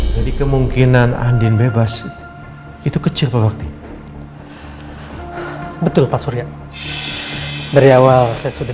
jadi kemungkinan andin bebas itu kecil pak bakti betul pak surya dari awal saya sudah